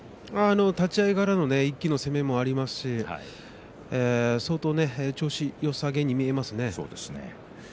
立ち合いからの一気の攻めもありますし相当、調子がよさげに見えますね。